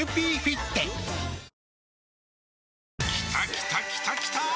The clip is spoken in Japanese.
きたきたきたきたー！